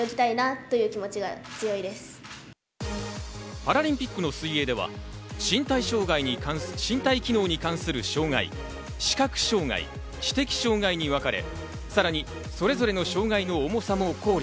パラリンピックの水泳では身体機能に関する障害、視覚障害、知的障害にわかれ、さらにそれぞれの障がいの重さも考慮。